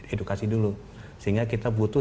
edukasi dulu sehingga kita butuh